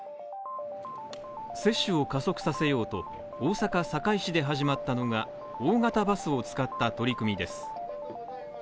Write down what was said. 接種を加速させようと、大阪・堺市で始まったのが大型バスを使った取り組みです。